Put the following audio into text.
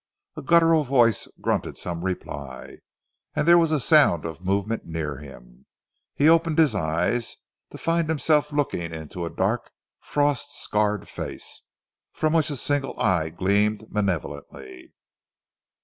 A guttural voice grunted some reply, and there was a sound of movement near him. He opened his eyes, to find himself looking into a dark, frost scarred face, from which a single eye gleamed malevolently.